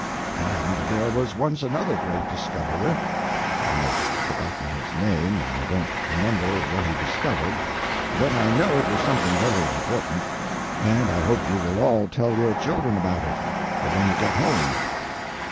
And there was once another great discoverer—I've forgotten his name, and I don't remember what he discovered, but I know it was something very important, and I hope you will all tell your children about it when you get home.